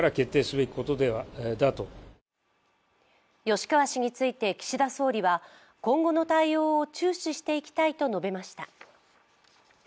吉川氏について岸田総理は今後の対応を注視してきたいと述べました。